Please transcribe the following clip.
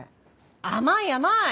甘い甘い！